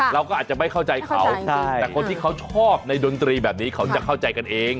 เราก็อาจจะไม่เข้าใจเขาแต่คนที่เขาชอบในดนตรีแบบนี้เขาจะเข้าใจกันเอง